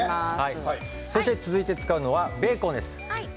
そして続いて使うのがベーコンです。